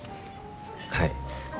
はい。